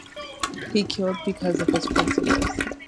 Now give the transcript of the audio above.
He killed because of his principes.